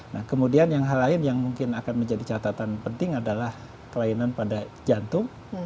nah kemudian yang hal lain yang mungkin akan menjadi catatan penting adalah kelainan pada jantung